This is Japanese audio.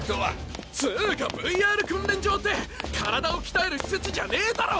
つうかＶＲ訓練場って体を鍛える施設じゃねえだろ！